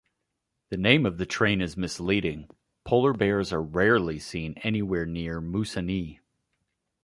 The name of the train is misleading-polar bears are rarely seen anywhere near Moosonee.